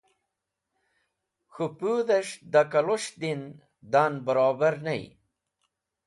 K̃hũ pũdhes̃h da kalus̃h din, da’n barobar ney.